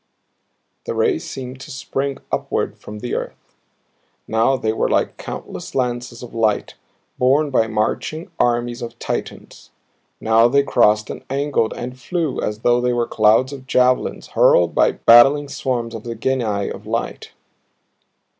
The rays seemed to spring upward from the earth. Now they were like countless lances of light borne by marching armies of Titans; now they crossed and angled and flew as though they were clouds of javelins hurled by battling swarms of the Genii of Light.